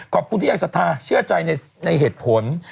ขอบคุณที่ยังศรัทธาเชื่อใจในเหตุผล